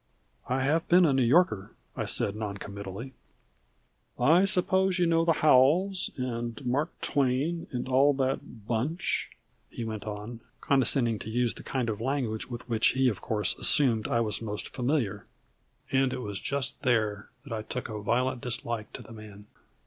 "I have been a New Yorker," I said noncommittally. "I suppose you know Howells, and Mark Twain, and all that bunch?" he went on, condescending to use the kind of language with which he of course assumed I was most familiar. And it was just there that I took a violent dislike to the man.